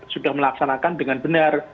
sudah melaksanakan dengan benar